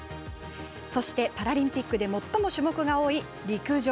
そして、パラリンピックで最も種目が多い陸上。